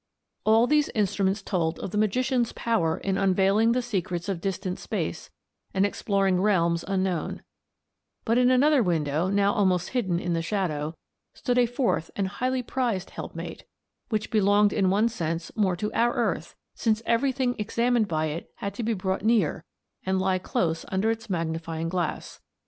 All these instruments told of the magician's power in unveiling the secrets of distant space and exploring realms unknown, but in another window, now almost hidden in the shadow, stood a fourth and highly prized helpmate, which belonged in one sense more to our earth, since everything examined by it had to be brought near, and lie close under its magnifying glass.